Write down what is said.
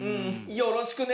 よろしくね。